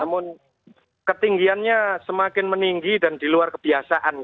namun ketinggiannya semakin meninggi dan di luar kebiasaan